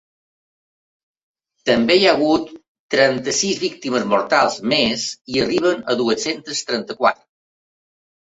També hi ha hagut trenta-sis víctimes mortals més i arriben a dues-centes trenta-quatre.